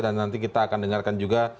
dan nanti kita akan dengarkan juga